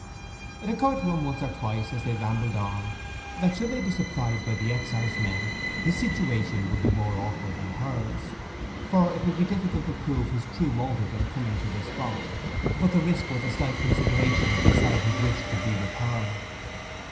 It occurred to him once or twice, as they rambled on, that should they be surprised by the excisemen, his situation would be more awkward than hers, for it would be difficult to prove his true motive in coming to the spot; but the risk was a slight consideration beside his wish to be with her.